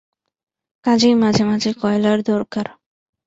কাজেই মাঝে মাঝে কয়লার দরকার।